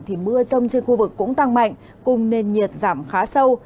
thì mưa rông trên khu vực cũng tăng mạnh cùng nền nhiệt giảm khá sâu